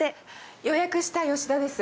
予約した吉田です。